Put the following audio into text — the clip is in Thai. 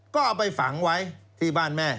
ก็เอาไปฝังไว้ที่บ้านแม่